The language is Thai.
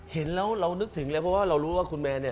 เห็นแล้วเรานึกถึงเลยเพราะว่าเรารู้ว่าคุณแมนเนี่ย